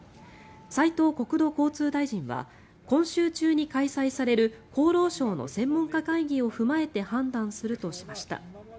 斉藤国土交通大臣は今週中に開催される厚労省の専門家会議を踏まえて判断するとしました。